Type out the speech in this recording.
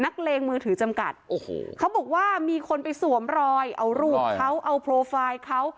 เขาบอกว่ามีคนไปสวมรอยเอารูปเขาเอาโปรไฟล์เขา